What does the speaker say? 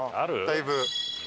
だいぶ。